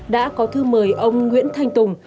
đã có thư mời ông nguyễn thanh tùng